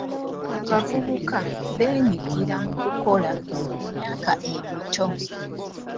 Abavubuka beenyigira mu kukola ku myaka emito.